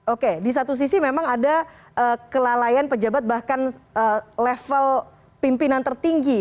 oke di satu sisi memang ada kelalaian pejabat bahkan level pimpinan tertinggi